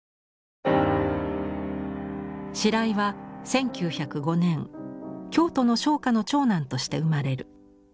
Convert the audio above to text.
白井は１９０５年京都の商家の長男として生まれる。